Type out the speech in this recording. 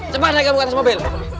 cepat naik atas mobil